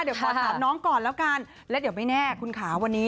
เดี๋ยวขอถามน้องก่อนแล้วกันและเดี๋ยวไม่แน่คุณค่ะวันนี้